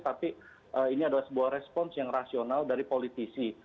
tapi ini adalah sebuah respons yang rasional dari politisi